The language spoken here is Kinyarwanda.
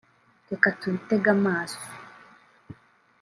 Reka tubitege amaso